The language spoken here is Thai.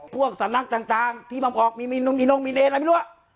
พวกสำนักต่างต่างที่บำออกมีมีนมมีนมมีเนรนอะไรไม่รู้